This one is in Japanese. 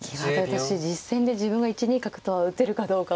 私実戦で自分が１二角とは打てるかどうかは。